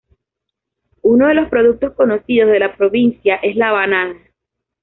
Uno de los productos conocidos de la provincia es la banana.